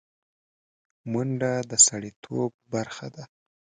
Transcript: منډه د سړيتوب برخه ده